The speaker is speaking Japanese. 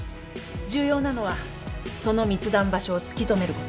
重要なのはその密談場所を突き止めること。